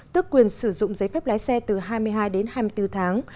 tước quyền sử dụng giấy phép lái xe từ hai mươi hai đến hai mươi bốn tháng